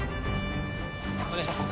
お願いします。